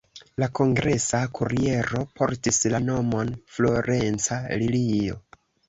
La kongresa kuriero portis la nomon "Florenca Lilio".